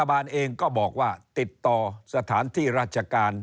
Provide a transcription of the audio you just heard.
บานเองก็บอกว่าติดต่อสถานที่ราชการ